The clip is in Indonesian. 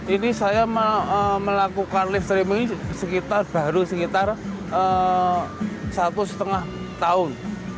ini saya melakukan lift streaming sekitar baru sekitar satu lima tahun